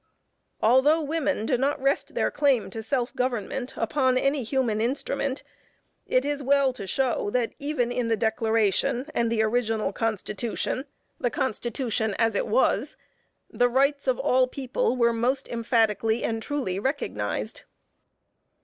Although women do not rest their claim to self government upon any human instrument, it is well to show that even in the Declaration, and the original Constitution, the "Constitution as it was," the rights of all people were most emphatically and truly recognized.